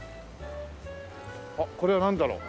あっこれはなんだろう？